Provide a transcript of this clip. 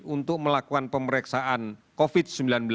untuk melakukan pemeriksaan covid sembilan belas